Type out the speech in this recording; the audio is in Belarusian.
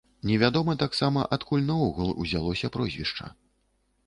Невядома таксама, адкуль наогул узялося прозвішча.